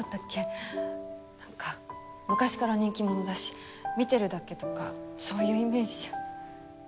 なんか昔から人気者だし見てるだけとかそういうイメージじゃ。